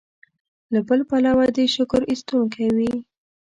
له بل پلوه دې شکر ایستونکی وي.